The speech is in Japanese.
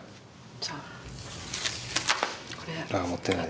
じゃあ。